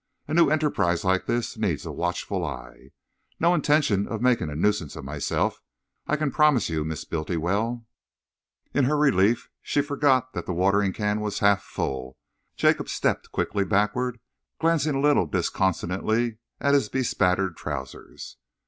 A new enterprise like this needs a watchful eye. No intention of making a nuisance of myself, I can promise you, Miss Bultiwell." In her relief she forgot that the watering can was half full. Jacob stepped quickly backwards, glancing a little disconsolately at his bespattered trousers.